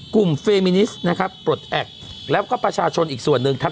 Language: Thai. เฟมินิสนะครับปลดแอคแล้วก็ประชาชนอีกส่วนหนึ่งครับ